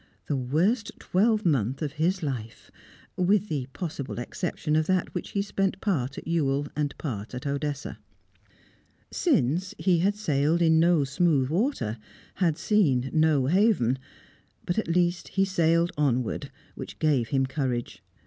The worst twelve month of his life! with the possible exception of that which he spent part at Ewell, part at Odessa. Since, he had sailed in no smooth water; had seen no haven. But at least he sailed onward, which gave him courage.